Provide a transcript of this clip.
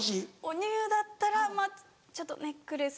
おニューだったらまぁちょっとネックレス。